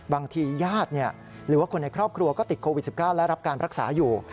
ญาติหรือว่าคนในครอบครัวก็ติดโควิด๑๙และรับการรักษาอยู่